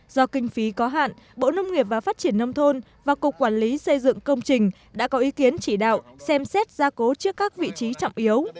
do kinh phí có hạn bộ nông nghiệp và phát triển nông thôn và cục quản lý xây dựng công trình đã có ý kiến chỉ đạo xem xét gia cố trước các vị trí trọng yếu